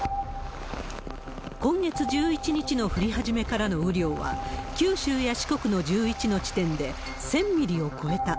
今月１１日の降り始めからの雨量は、九州や四国の１１の地点で１０００ミリを超えた。